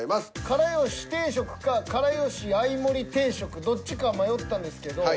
から好し定食かから好し合盛り定食どっちか迷ったんですけど。